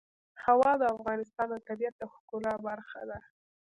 هوا د افغانستان د طبیعت د ښکلا برخه ده.